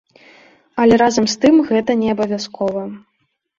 Але разам з тым гэта неабавязкова.